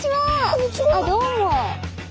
あっどうも。